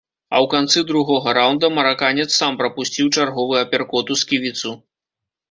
А ў канцы другога раўнда мараканец сам прапусціў чарговы аперкот у сківіцу.